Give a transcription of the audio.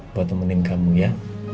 buat temenin kamu ya